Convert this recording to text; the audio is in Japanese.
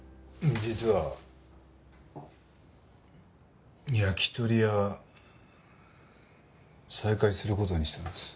実は焼き鳥屋再開する事にしたんです。